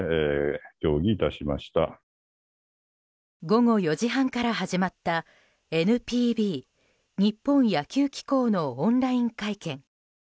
午後４時半から始まったＮＰＢ・日本野球機構のオンライン会見。